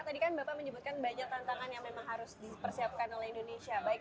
baik dari ekonomi semua hal ini